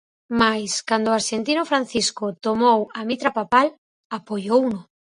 Mais cando o arxentino Francisco tomou a mitra papal, apoiouno.